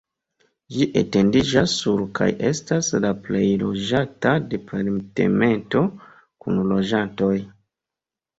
Ĝi etendiĝas sur kaj estas la plej loĝata departemento kun loĝantoj.